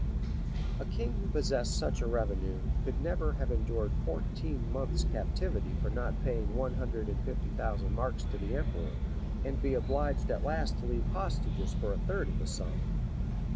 A king who possessed such a revenue, could never have endured fourteen months' captivity for not paying one hundred and fifty thousand marks to the emperor, and be obliged at last to leave hostages for a third of the sum.